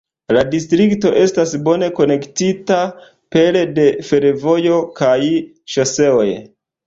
La distrikto estas bone konektita pere de fervojo kaj ŝoseoj.